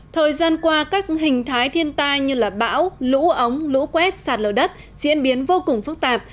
thời gian qua các hình thái thiên tai như bão lũ ống lũ quét sạt lở đất diễn biến vô cùng phức tạp